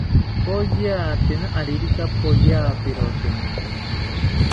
Poyatena aririka poyaperotena